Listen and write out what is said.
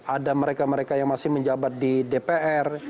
ada mereka mereka yang masih menjabat di dpr